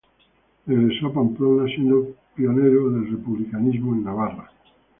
Regresó a Pamplona, siendo pionero del republicanismo en Navarra.